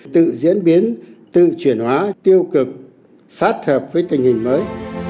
tự diễn biến tự chuyển hóa tiêu cực sát hợp với tình hình mới